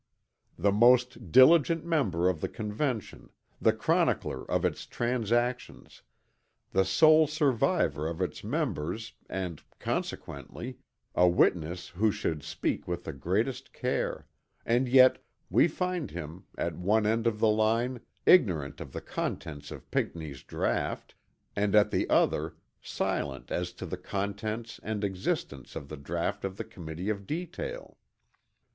The most diligent member of the Convention, the chronicler of its transactions, the sole survivor of its members and, consequently, a witness who should speak with the greatest care; and yet we find him, at one end of the line, ignorant of the contents of Pinckney's draught, and at the other silent as to the contents and existence of the draught of the Committee of Detail.